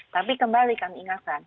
tapi kembali kami ingatkan